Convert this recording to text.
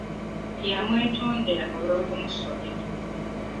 Yamwetondera olw'okumusobya.